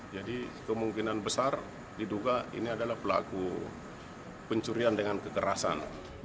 jadi kemungkinan besar diduga ini adalah pelaku pencurian dengan kekerasan